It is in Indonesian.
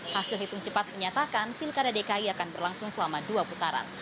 hasil hitung cepat menyatakan pilkada dki akan berlangsung selama dua putaran